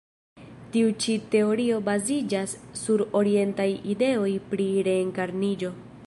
Tiu ĉi teorio baziĝas sur orientaj ideoj pri reenkarniĝo.